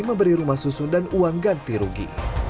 memberi rumah susun dan uang ganti rugi